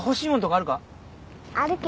あるけど。